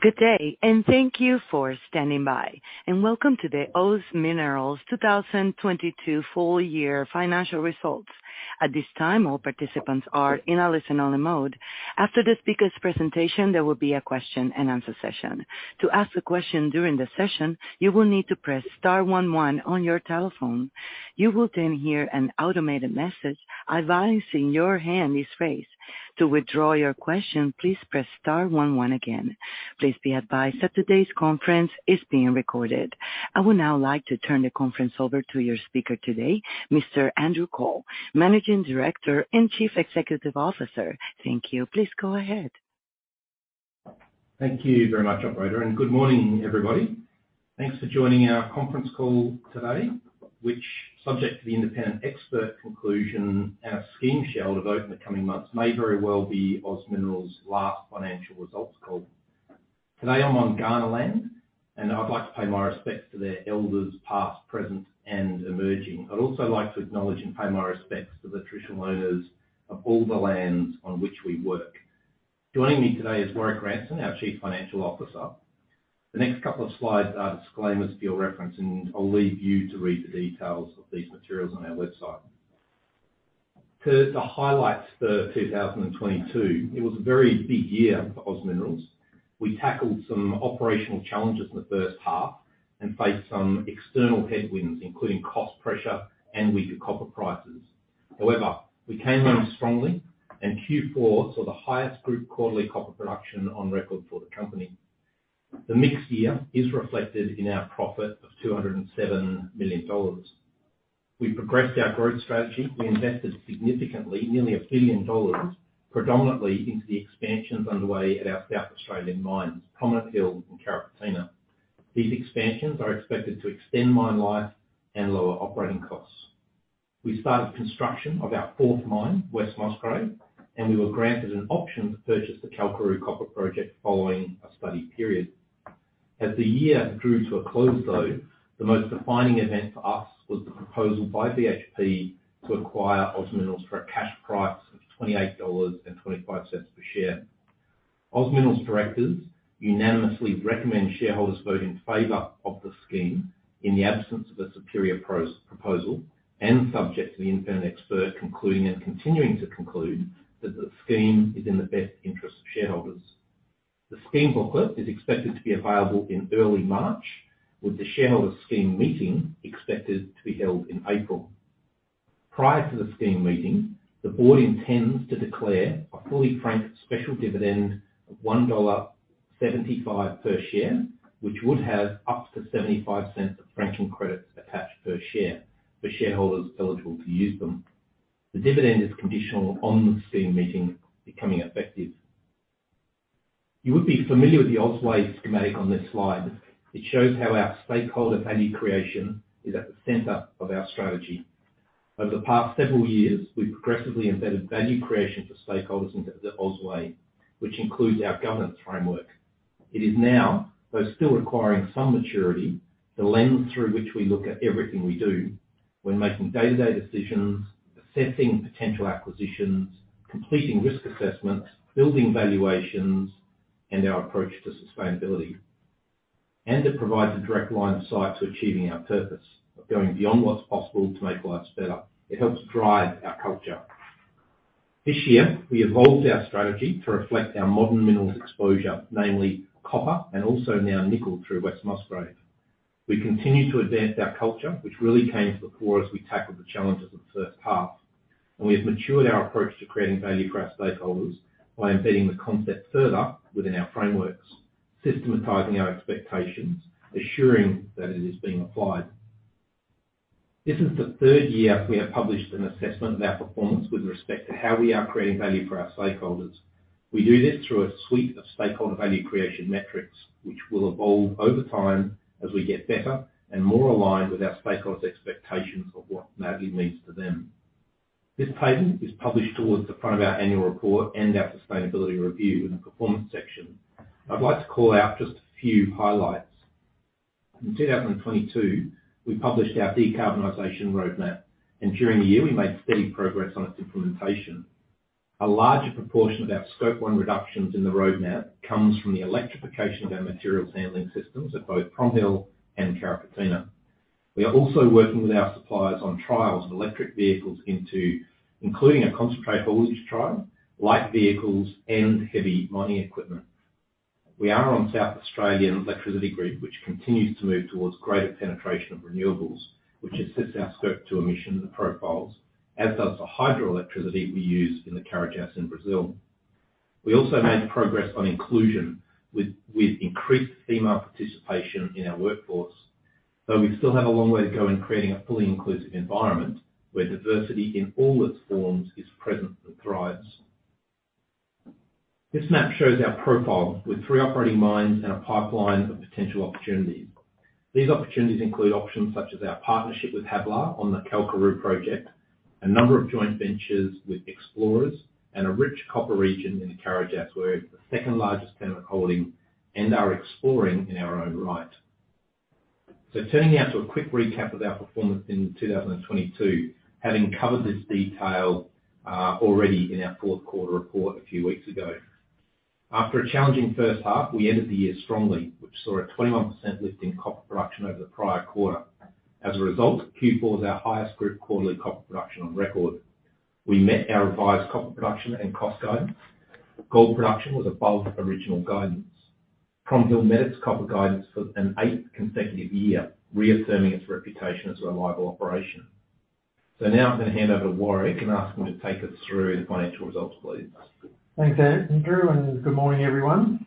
Good day, and thank you for standing by, and welcome to the OZ Minerals 2022 Full Year Financial Results. At this time, all participants are in a listen-only mode. After the speaker's presentation, there will be a question-and-answer session. To ask a question during the session, you will need to press star one one on your telephone. You will then hear an automated message advising your hand is raised. To withdraw your question, please press star one one again. Please be advised that today's conference is being recorded. I would now like to turn the conference over to your speaker today, Mr. Andrew Cole, Managing Director and Chief Executive Officer. Thank you. Please go ahead. Thank you very much, operator, and good morning, everybody. Thanks for joining our conference call today, which subject to the Independent Expert conclusion, our Scheme shell of over the coming months may very well be OZ Minerals last financial results call. Today, I'm on Kaurna land, and I'd like to pay my respects to their elders, past, present, and emerging. I'd also like to acknowledge and pay my respects to the traditional owners of all the lands on which we work. Joining me today is Warrick Ranson, our Chief Financial Officer. The next couple of slides are disclaimers for your reference, and I'll leave you to read the details of these materials on our website. To highlight for 2022, it was a very big year for OZ Minerals. We tackled some operational challenges in the first half and faced some external headwinds, including cost pressure and weaker copper prices. We came home strongly, and Q4 saw the highest group quarterly copper production on record for the company. The mixed year is reflected in our profit of $207 million. We progressed our growth strategy. We invested significantly, nearly $1 billion, predominantly into the expansions underway at our South Australian mines, Prominent Hill and Carrapateena. These expansions are expected to extend mine life and lower operating costs. We started construction of our fourth mine, West Musgrave, and we were granted an option to purchase the Kalkaroo Copper Project following a study period. As the year drew to a close, though, the most defining event for us was the proposal by BHP to acquire OZ Minerals for a cash price of 28.25 dollars per share. OZ Minerals directors unanimously recommend shareholders vote in favor of the Scheme in the absence of a superior proposal and subject to the Independent Expert concluding and continuing to conclude that the Scheme is in the best interest of shareholders. The Scheme Booklet is expected to be available in early March, with the shareholder Scheme Meeting expected to be held in April. Prior to the Scheme Meeting, the board intends to declare a fully frank special dividend of 1.75 dollar per share, which would have up to 0.75 of franking credits attached per share for shareholders eligible to use them. The dividend is conditional on the Scheme Meeting becoming effective. You would be familiar with The OZ Way schematic on this slide. It shows how our stakeholder value creation is at the center of our strategy. Over the past several years, we've progressively embedded value creation for stakeholders into The OZ Way, which includes our governance framework. It is now, though still requiring some maturity, the lens through which we look at everything we do when making day-to-day decisions, assessing potential acquisitions, completing risk assessments, building valuations, and our approach to sustainability. It provides a direct line of sight to achieving our purpose of going beyond what's possible to make lives better. It helps drive our culture. This year, we evolved our strategy to reflect our modern minerals exposure, namely copper and also now nickel through West Musgrave. We continue to advance our culture, which really came to the fore as we tackled the challenges of the first half, and we have matured our approach to creating value for our stakeholders by embedding the concept further within our frameworks, systematizing our expectations, assuring that it is being applied. This is the third year we have published an assessment of our performance with respect to how we are creating value for our stakeholders. We do this through a suite of Stakeholder Value Creation Metrics, which will evolve over time as we get better and more aligned with our stakeholders' expectations of what value means to them. This table is published towards the front of our annual report and our sustainability review in the performance section. I'd like to call out just a few highlights. In 2022, we published our Decarbonisation Roadmap, and during the year, we made steady progress on its implementation. A larger proportion of our Scope 1 reductions in the Roadmap comes from the electrification of our materials handling systems at both Prominent Hill and Carrapateena. We are also working with our suppliers on trials of electric vehicles including a concentrate haulage trial, light vehicles, and heavy mining equipment. We are on South Australian electricity grid, which continues to move towards greater penetration of renewables, which assists our Scope 2 emission profiles, as does the hydroelectricity we use in the Carajás in Brazil. We also made progress on inclusion with increased female participation in our workforce, though we still have a long way to go in creating a fully inclusive environment where diversity in all its forms is present and thrives. This map shows our profile with three operating mines and a pipeline of potential opportunities. These opportunities include options such as our partnership with Havilah on the Kalkaroo project, a number of joint ventures with explorers in a rich copper region in Carajás, where it's the second-largest tenant holding and are exploring in our own right. Turning now to a quick recap of our performance in 2022, having covered this detail already in our fourth quarter report a few weeks ago. After a challenging first half, we ended the year strongly, which saw a 21% lift in copper production over the prior quarter. As a result, Q4 is our highest group quarterly copper production on record. We met our revised copper production and cost guidance. Gold production was above original guidance. Prominent Hill met its copper guidance for an eighth consecutive year, reaffirming its reputation as a reliable operation. Now I'm gonna hand over to Warrick, and ask him to take us through the financial results, please. Thanks, Andrew, and good morning, everyone.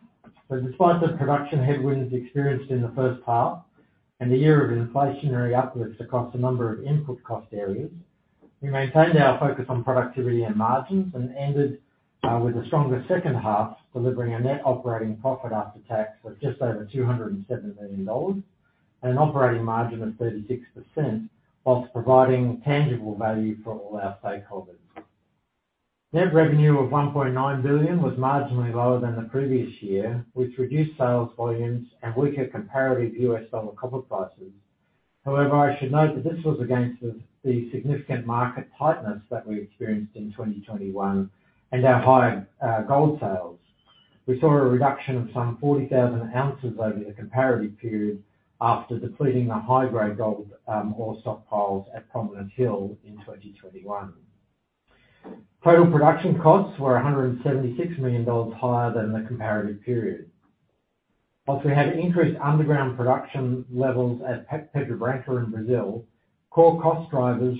Despite the production headwinds experienced in the first half and the year of inflationary upwards across a number of input cost areas, we maintained our focus on productivity and margins and ended with a stronger second half, delivering a net operating profit after tax of just over 207 million dollars and an operating margin of 36%, whilst providing tangible value for all our stakeholders. Net revenue of 1.9 billion was marginally lower than the previous year, with reduced sales volumes and weaker comparative U.S. dollar copper prices. I should note that this was against the significant market tightness that we experienced in 2021 and our high gold sales. We saw a reduction of some 40,000 ounces over the comparative period after depleting the high-grade gold ore stockpiles at Prominent Hill in 2021. Total production costs were 176 million dollars higher than the comparative period. Whilst we had increased underground production levels at Pedra Branca in Brazil, core cost drivers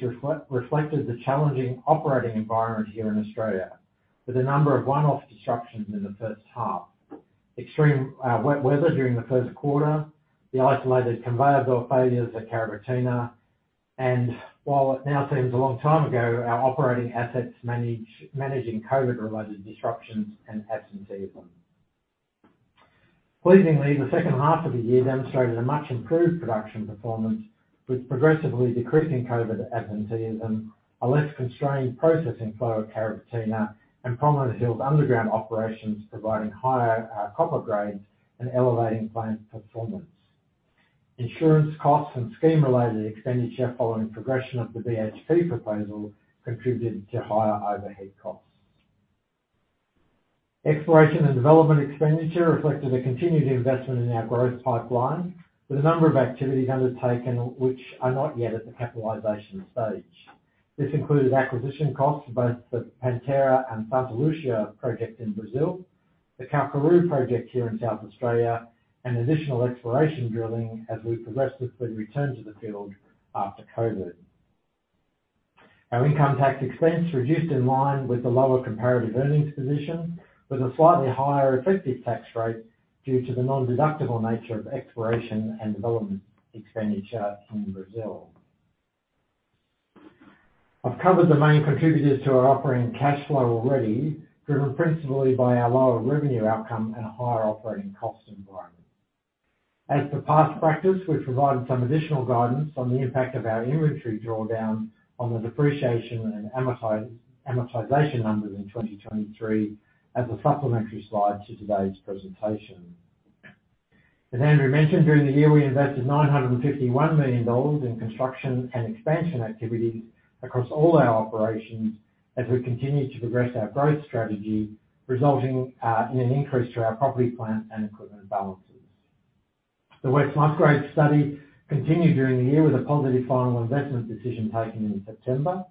reflected the challenging operating environment here in Australia, with a number of one-off disruptions in the first half, extreme wet weather during the first quarter, the isolated conveyor belt failures at Carrapateena, and while it now seems a long time ago, our operating assets managing COVID-related disruptions and absenteeism. Pleasingly, the second half of the year demonstrated a much improved production performance with progressively decreasing COVID absenteeism, a less constrained processing flow at Carrapateena, and Prominent Hill's underground operations providing higher copper grades and elevating plant performance. Insurance costs and scheme-related expenditure following progression of the BHP proposal contributed to higher overhead costs. Exploration and development expenditure reflected a continued investment in our growth pipeline, with a number of activities undertaken which are not yet at the capitalization stage. This included acquisition costs for both the Pantera and Santa Lúcia project in Brazil, the Kalkaroo project here in South Australia, and additional exploration drilling as we progressively returned to the field after COVID. Our income tax expense reduced in line with the lower comparative earnings position, with a slightly higher effective tax rate due to the non-deductible nature of exploration and development expenditure in Brazil. I've covered the main contributors to our operating cash flow already, driven principally by our lower revenue outcome and a higher operating cost environment. As per past practice, we've provided some additional guidance on the impact of our inventory drawdown on the depreciation and amortization numbers in 2023 as a supplementary slide to today's presentation. As Andrew mentioned, during the year, we invested 951 million dollars in construction and expansion activities across all our operations as we continued to progress our growth strategy, resulting in an increase to our property plant and equipment balances. The West Musgrave study continued during the year with a positive final investment decision taken in September.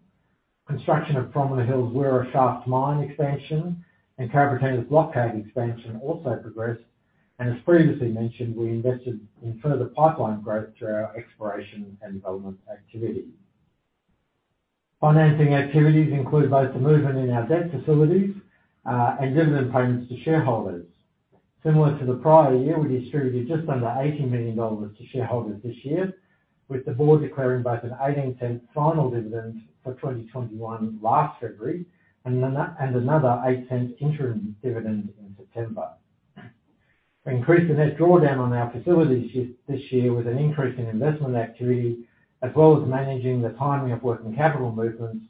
Construction of Prominent Hill's Wira Shaft mine expansion and Carrapateena's block cave expansion also progressed. As previously mentioned, we invested in further pipeline growth through our exploration and development activity. Financing activities include both the movement in our debt facilities and dividend payments to shareholders. Similar to the prior year, we distributed just under 80 million dollars to shareholders this year, with the board declaring both an 0.18 final dividend for 2021 last February and another 0.08 interim dividend in September. We increased the net drawdown on our facilities this year with an increase in investment activity, as well as managing the timing of working capital movements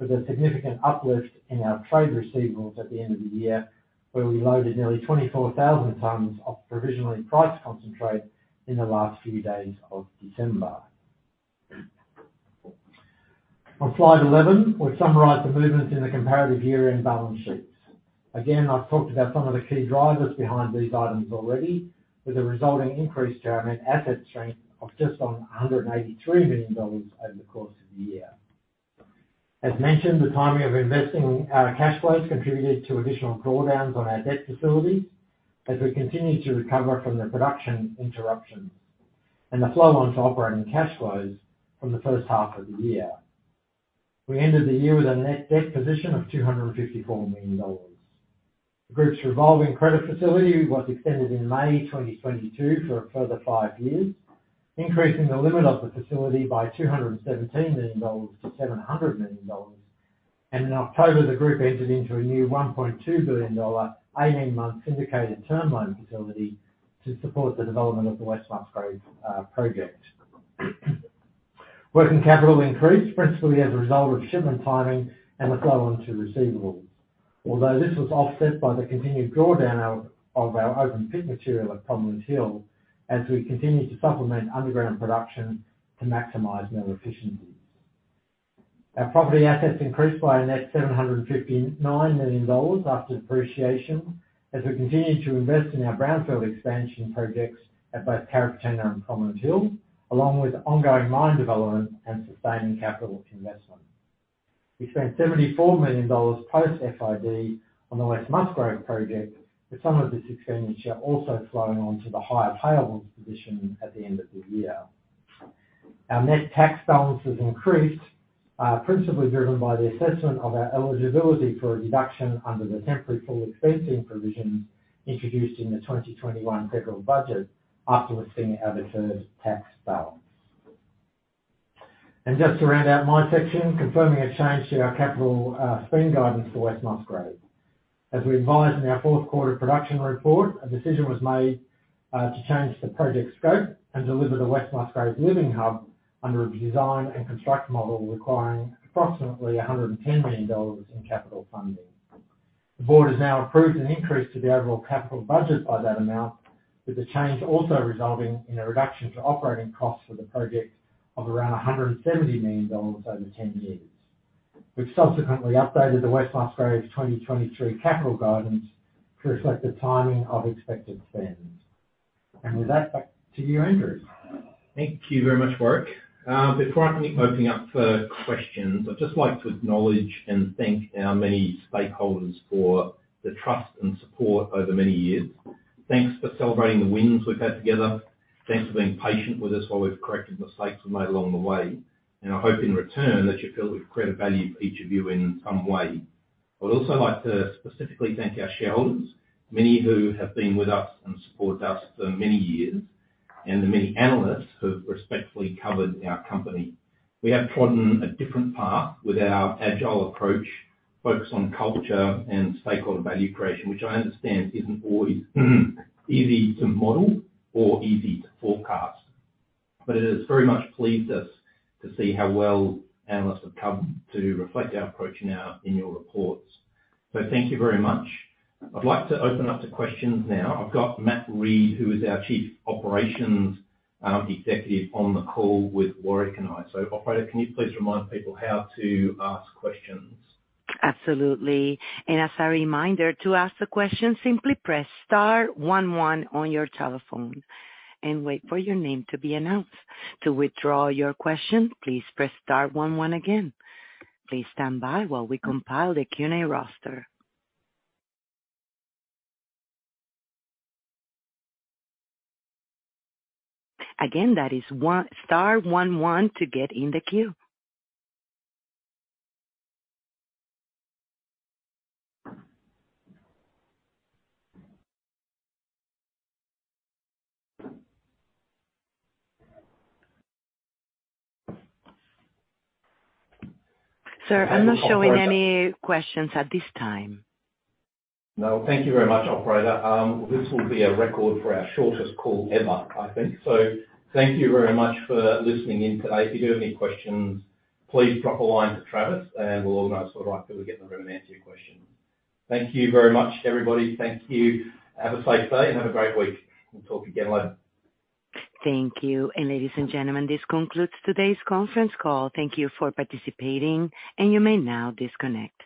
with a significant uplift in our trade receivables at the end of the year, where we loaded nearly 24,000 tons of provisionally priced concentrate in the last few days of December. On Slide 11, we've summarized the movements in the comparative year-end balance sheets. Again, I've talked about some of the key drivers behind these items already, with a resulting increase to our net asset strength of just on AUD 183 million over the course of the year. As mentioned, the timing of investing our cash flows contributed to additional drawdowns on our debt facility as we continued to recover from the production interruptions and the flow on to operating cash flows from the first half of the year. We ended the year with a net debt position of 254 million dollars. The group's revolving credit facility was extended in May 2022 for a further five years, increasing the limit of the facility by 217 million-700 million dollars. In October, the group entered into a new 1.2 billion dollar, 18-month syndicated term loan facility to support the development of the West Musgrave project. Working capital increased principally as a result of shipment timing and the flow onto receivables. This was offset by the continued drawdown out of our open pit material at Prominent Hill as we continue to supplement underground production to maximize mill efficiencies. Our property assets increased by a net AUD 759 million after depreciation, as we continue to invest in our brownfield expansion projects at both Carrapateena and Prominent Hill, along with ongoing mine development and sustaining capital investment. We spent 74 million dollars post FID on the West Musgrave project, with some of this expenditure also flowing on to the higher payables position at the end of the year. Our net tax balances increased, principally driven by the assessment of our eligibility for a deduction under the temporary full expensing provisions introduced in the 2021 federal budget after assessing our deferred tax balance. Just to round out my section, confirming a change to our capital spend guidance for West Musgrave. As we advised in our fourth quarter production report, a decision was made to change the project scope and deliver the West Musgrave Living Hub under a design and construct model requiring approximately 110 million dollars in capital funding. The board has now approved an increase to the overall capital budget by that amount, with the change also resulting in a reduction to operating costs for the project of around 170 million dollars over 10 years. We've subsequently updated the West Musgrave's 2023 capital guidance to reflect the timing of expected spends. With that, back to you, Andrew. Thank you very much, Warrick. Before I open up for questions, I'd just like to acknowledge and thank our many stakeholders for the trust and support over many years. Thanks for celebrating the wins we've had together. Thanks for being patient with us while we've corrected mistakes we made along the way. I hope in return that you feel we've created value for each of you in some way. I would also like to specifically thank our shareholders, many who have been with us and supported us for many years, and the many analysts who have respectfully covered our company. We have trodden a different path with our agile approach, focused on culture and Stakeholder Value Creation, which I understand isn't always easy to model or easy to forecast. It has very much pleased us to see how well analysts have come to reflect our approach now in your reports. Thank you very much. I'd like to open up to questions now. I've got Matt Reed, who is our Chief Operations Executive on the call with Warrick and I. Operator, can you please remind people how to ask questions? Absolutely. As a reminder, to ask the question, simply press star one one on your telephone and wait for your name to be announced. To withdraw your question, please press star one one again. Please stand by while we compile the Q&A roster. That is one- star 11 to get in the queue. Sir, I'm not showing any questions at this time. No, thank you very much, Operator. This will be a record for our shortest call ever, I think. Thank you very much for listening in today. If you do have any questions, please drop a line to Travis, and we'll organize the right people to get in the room to answer your question. Thank you very much, everybody. Thank you. Have a safe day, and have a great week. We'll talk again later. Thank you. Ladies and gentlemen, this concludes today's conference call. Thank you for participating. You may now disconnect.